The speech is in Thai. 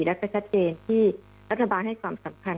แล้วก็ชัดเจนที่รัฐบาลให้ความสำคัญ